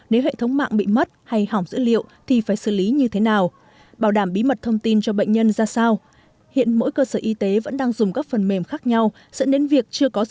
nếu hệ thống mạng bị mất hay hỏng dữ liệu thì phải xử lý như thế nào